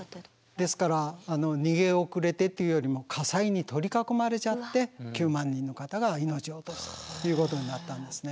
ですから逃げ遅れてっていうよりも火災に取り囲まれちゃって９万人の方が命を落とすということになったんですね。